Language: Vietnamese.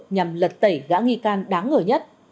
nhằm lật tẩy gã nghi can đáng ngờ nhất